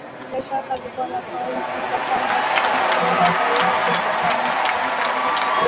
Bila shaka alikuwa anafahamu fika kwamba siku moja ulaghai wake utafikia mwisho